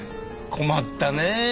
困ったねえ。